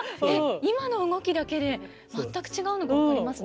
今の動きだけで全く違うのが分かりますね。